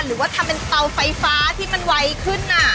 หรือว่าทำเป็นเตาไฟฟ้าที่มันไวขึ้น